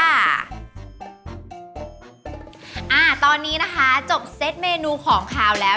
อ่าตอนนี้นะคะจบเซตเมนูของขาวแล้ว